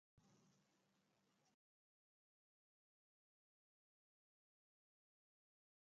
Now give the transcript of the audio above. خو دا ډول شخړې له مشرتابه شخړو سره لوی توپير لري.